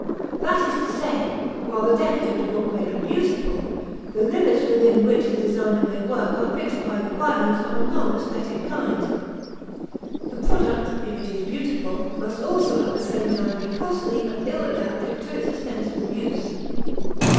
That is to say, while the decadent book may be beautiful, the limits within which the designer may work are fixed by requirements of a non aesthetic kind. The product, if it is beautiful, must also at the same time be costly and ill adapted to its ostensible use.